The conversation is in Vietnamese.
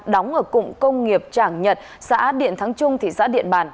đóng ở cụng công nghiệp trảng nhật xã điện thắng trung thị xã điện bản